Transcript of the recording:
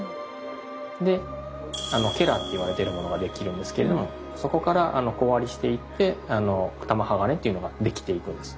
でっていわれてるものができるんですけれどもそこから小割りしていって玉鋼っていうのができていくんです。